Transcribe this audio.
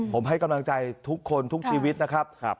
ผมให้กำลังใจทุกคนทุกชีวิตนะครับ